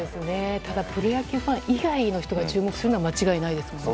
ただプロ野球ファン以外の人が注目するのは間違いないですね。